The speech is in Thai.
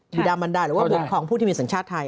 คือดามันดาหรือว่าบุตรของผู้ที่มีสัญชาติไทย